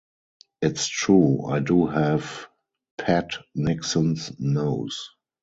It's true - I do have Pat Nixon's nose.